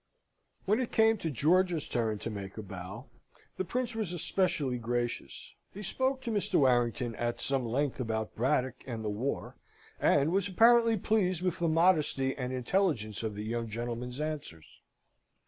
When it came to George's turn to make a bow, the Prince was especially gracious; he spoke to Mr. Warrington at some length about Braddock and the war, and was apparently pleased with the modesty and intelligence of the young gentleman's answers.